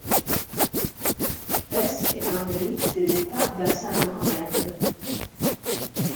Cette espèce est endémique de l’État d'Assam en Inde.